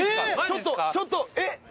ちょっとちょっとえっ！？